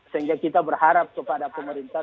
sehingga kita berharap kepada pemerintah